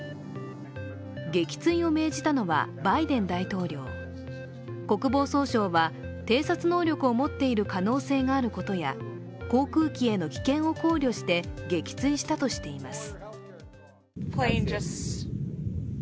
撃墜を命じたのは、バイデン大統領国防総省は、偵察能力を持っている可能性があることや航空機への危険を考慮して撃墜したとしています。